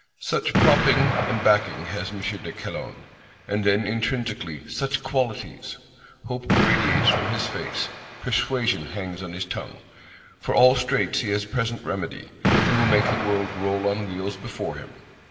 Such propping and backing has M. de Calonne; and then intrinsically such qualities! Hope radiates from his face; persuasion hangs on his tongue. For all straits he has present remedy, and will make the world roll on wheels before him.